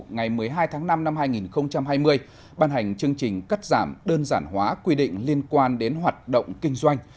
ngày một mươi hai tháng năm năm hai nghìn hai mươi ban hành chương trình cắt giảm đơn giản hóa quy định liên quan đến hoạt động kinh doanh